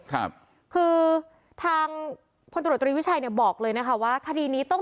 ครับคือทางพลตรวจตรีวิชัยเนี่ยบอกเลยนะคะว่าคดีนี้ต้อง